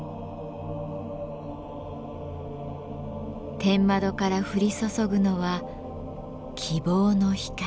天窓から降り注ぐのは「希望の光」。